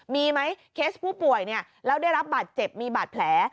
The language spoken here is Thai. มีไหมเคสผู้ป่วยแล้วได้รับบาดเจ็บมีบาดแผล